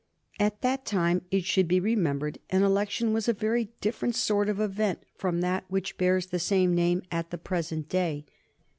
At that time, it should be remembered, an election was a very different sort of event from that which bears the same name at the present day.